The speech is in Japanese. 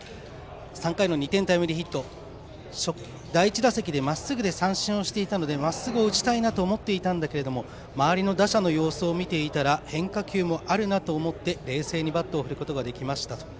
３回の２点タイムリーヒットは第１打席、まっすぐで三振していたのでまっすぐを打ちたいなと思っていましたが周りの打者の様子を見ていたら変化球もあるなと思って、冷静にバットを振ることができましたと。